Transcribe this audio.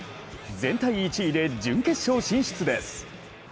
全体１位で準決勝進出です。